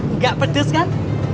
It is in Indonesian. nggak pedes kan